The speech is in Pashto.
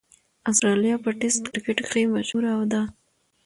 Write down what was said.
اسټرالیا په ټېسټ کرکټ کښي مشهوره ده.